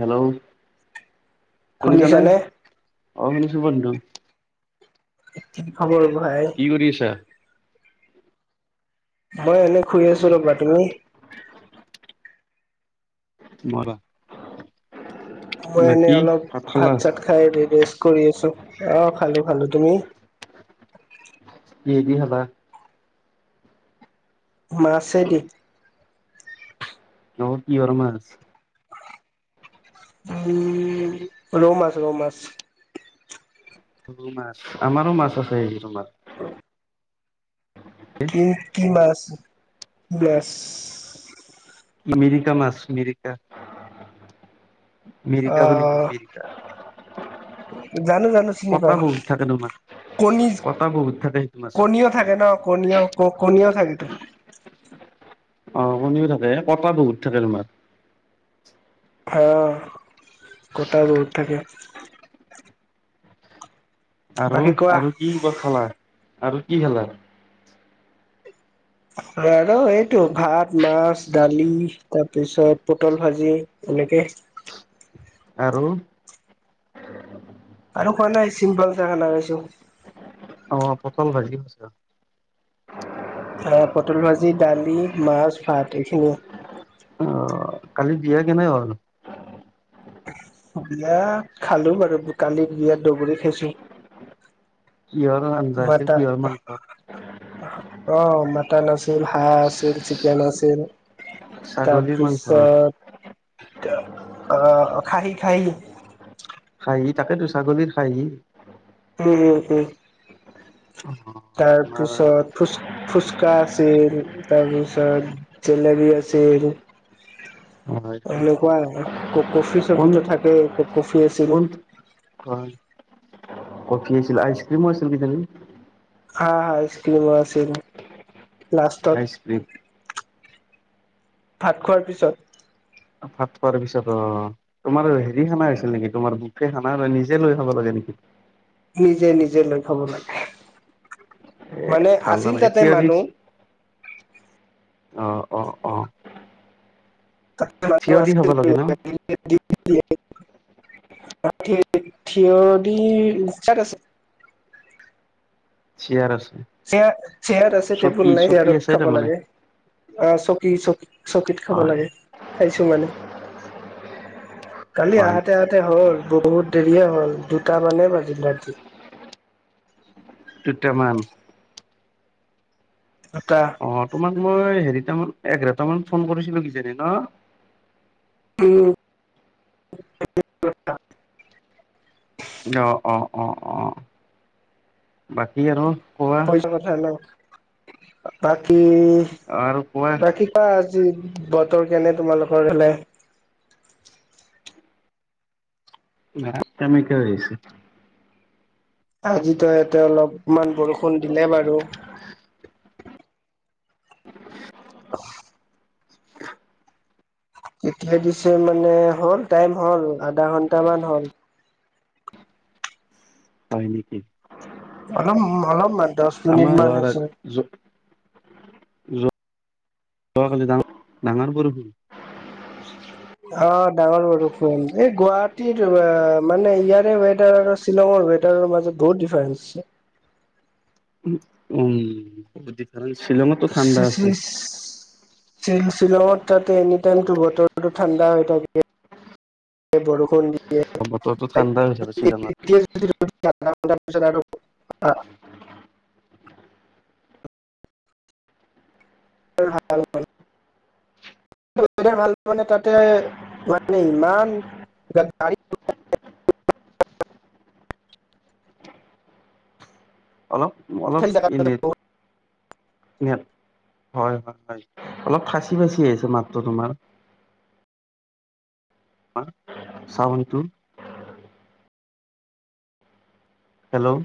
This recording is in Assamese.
হেল্ল'। শুনিছানে? অহ, শুনিছোঁ বন্ধু। [unintelligible] খবৰ ভাই। কি কৰি আছা? মই এনেই শুই আছোঁ ৰবা। তুমি? মৰা। মই এনেই অলপ ভাত খালা? ভাত-চাত খায় ৰেষ্ট কৰি আছোঁ। অহ, খালোঁ, খালোঁ। তুমি? কিহেদি খালা? মাছেদি। অ কিহৰ মাছ? উম' ৰৌ মাছ, ৰৌ মাছ। ৰৌ মাছ, আমাৰো মাছ আছে হেৰিটো মা উম কি মাছ বেছ? বা মিৰিকা মাছ মিৰিকা। অ মিৰিকা বুলি কয় মিৰিকা। জানো জানো চিনি কটা পাও, বহুত থাকে তোমাৰ। কণীজ কটা বহুত থাকে সেইটো মাছত। কণীয়ত থাকে ন কণীও, ক কণীও থাকেতো। অ' কণীও থাকে [unintelligible] বহুত থাকে তোমাৰ। অ' কতা বহুত থাকে। আৰু বাকী কোৱা আৰু কি কত খালা আৰু কি খালা? আৰু এইটো ভাত, মাছ, দালি তাৰ পিছত পটল ভাজি। এনেকে। আৰু। আৰু খোৱা নাই চিম্পাল চা খানা খাইছোঁ। অ' পটল ভাজি। [unintelligible] আহ পটল ভাজি, দালি, মাছ, ভাত এইখিনিয়ে। অ' কালি বিয়া কেনে হ'ল? অ বিয়া খালো বাৰু ব কালি বিয়া দগৰি খাইছো। কিহৰ আঞ্জা আছে কিহৰ মাংস? অহ অ' মাটান আছিল, হাঁহ আছিল, চিকেন আছিল। তাৰ ছাগলীৰ মাংস। পিছত আহ' অ খাহি, খাহি। খায় তাকেতো ছাগলীৰ খায়। উম', উম' অ', তাৰ তোমাৰ পিছত ফুছ ফুচকা আছিল তাৰ পিছত জেলেবী আছিল। হয়', হয়'। ক কফি - চফিটো থাকেই, ক কফি আছিল। হয়, কফি আছিল আইচক্ৰীমো আছিল কিজানি? হা', আইছক্ৰিমো আছিল লাষ্টত। [unintelligible] ভাত খোৱাৰ পিছত। অ ভাত খোৱাৰ পিছত। তোমাৰ হেৰি খানা হৈছিল নেকি তোমাৰ বুখে খানা নিজে লৈ খাব লাগে নেকি? নিজে নিজে লৈ খাব লাগে মানে ভাল আছিল নালাগে তাতে থিয় দি মানুহ। অ', অ', অ'। এ মানুহ থিয় দি খাব আছিল লাগে ন [unintelligible] [unintelligible] থিয় দি ইনষ্ট্ৰাক আছে। চিয়াৰ আছে। চেয়াৰ, চেয়াৰ আছে চকী টেবুল নাই চকী চেয়াৰত আছে খাব তাৰমানে লাগে। অ', চকী চকী চকীত খাব হয় লাগে। খাইছোঁ মানে কালি হয় আহাতে আহাতে হ'ল। বহুত দেৰিয়ে হ'ল, দুটামানে বাজিল ৰাতি। দুটামান? দুটা। অ' তোমাক মই হেৰিটামান এঘাৰটামান ফোন কৰিছিলোঁ কিজানি ন'? উম'। অ' অ' অ' অ', বাকী আৰু কোৱা। [unintelligible] কথা ন, বাকী আৰু কোৱা বাকী কোৱা, আজি বতৰ কেনে তোমালোকৰ ফালে? নাই সেমেকা হৈ আছে। আজিতো ইয়াতে অলপমান বৰষূণ দিলে বাৰু। [inaudible] [inaudible] কেতিয়া দিছে মানে, হ'ল টাইম হ'ল আধা ঘণ্টা মান হ'ল। হয়, নেকি? অলপ অলপমান দহ মিনিট আমাৰ মান হৈছে। [unintelligible] যোৱাকালি ডাঙ-ডাঙৰ বৰষূণ। অ' ডাঙৰ বৰষূণ এই গুৱাহাটীৰ মানে ইয়াৰে ৱেডাৰ আৰু শ্বিলঙৰ ৱেডাৰৰ মাজত বহুত ডিফাৰেন্ঞ্চ আছে। উম, কাৰণ শ্বিলঙতটো ঠাণ্ডা আছে। শ্বিলঙত তাত এনি টাইমটো বতৰটো ঠাণ্ডা হৈ থাকে। এই বৰষূণ বতৰটোতো ঠাণ্ডা হৈ থাকে শ্বিলঙত। [unintelligible] [inaudible] [unintelligible] ভাল পোৱা নে তাতে [unintelligible] অলপ অলপ এ নেট হয় হয়, অলপ ফাচি ফাচি আহিছে মাতটো তোমাৰ। তোমাৰ চাউণ্ডটো। হেল্ল'!